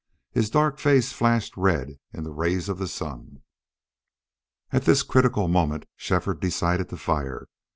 His dark face flashed red in the rays of the sun. At this critical moment Shefford decided to fire.